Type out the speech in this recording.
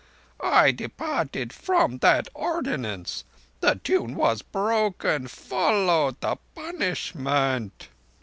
I departed from that ordinance. The tune was broken: followed the punishment.